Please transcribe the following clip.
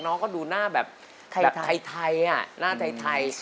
น้องก็ดูหน้าแบบไทยหน้าไทย